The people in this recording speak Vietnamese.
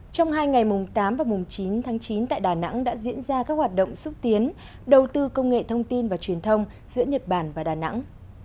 trong hai ngày mùng tám và mùng chín tháng chín tại đà nẵng đã diễn ra các hoạt động xúc tiến đầu tư công nghệ thông tin và truyền thông giữa nhật bản và đà nẵng